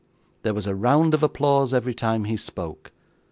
There was a round of applause every time he spoke.